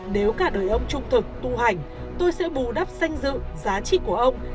nếu cả đời ông trung thực tu hành tôi sẽ bù đắp danh dự giá trị của ông